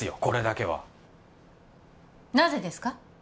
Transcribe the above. これだけはなぜですか？